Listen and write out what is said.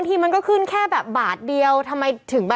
พี่ตายนักข่าวการเมืองค่ะ